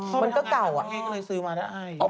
มันก็เก่าอ่ะพ่อทำงานต่างประเทศเลยซื้อมาได้ให้